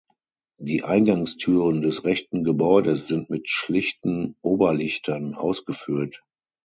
Die Eingangstüren des rechten Gebäudes sind mit schlichten Oberlichtern ausgeführt.